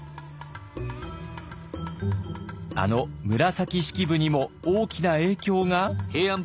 あの紫式部にも大きな影響が？